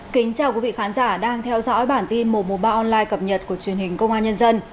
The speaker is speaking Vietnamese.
kính chào quý vị khán giả đang theo dõi bản tin một trăm một mươi ba online cập nhật của truyền hình công an nhân dân